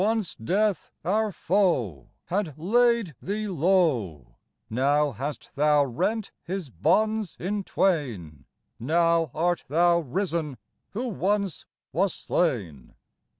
Once Death, our foe, Had laid thee low : Now hast Thou rent his bonds in twain, Now art Thou risen who once wast slain.